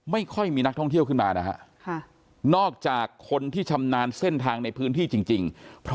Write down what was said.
ไม่ค่อยมีนักท่องเที่ยวขึ้นมานะฮะนอกจากคนที่ชำนาญเส้นทางในพื้นที่จริง